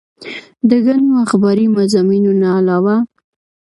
د ګڼو اخباري مضامينو نه علاوه